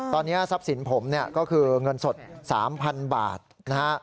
ตอนนี้ทรัพย์สินผมเนี่ยก็คือเงินสด๓๐๐๐บาทนะฮะ